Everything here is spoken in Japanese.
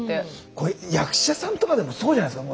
これ役者さんとかでもそうじゃないですか。